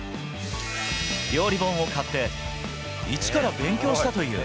料理本を買って、一から勉強したという。